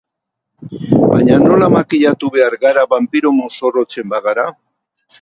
Baina nola makillatu behar gara banpiro mozorrotzen bagara?